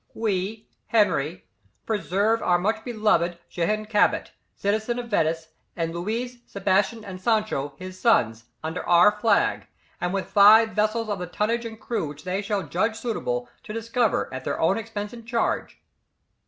"We Henry ... permit our well beloved Jehan Cabot, citizen of Venice, and Louis, Sebastian, and Sancho, his sons, under our flag and with five vessels of the tonnage and crew which they shall judge suitable, to discover at their own expense and charge